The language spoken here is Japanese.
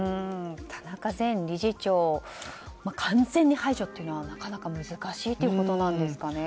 田中前理事長を完全に排除というのはなかなか難しいということなんですかね。